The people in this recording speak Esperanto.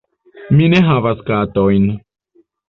Mi ne havas katojn.